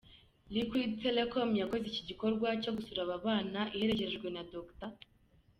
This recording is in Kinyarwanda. Liquid Telecom yakoze iki gikorwa cyo gusura aba bana iherekejwe na Dr.